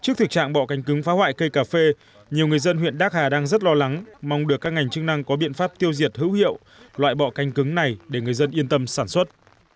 trước thực trạng bọ cánh cứng phá hoại cây cà phê nhiều người dân huyện đắc hà đang rất lo lắng mong được các ngành chức năng có biện pháp tiêu diệt hữu hiệu loại bọ cánh cứng này để người dân yên tâm sản xuất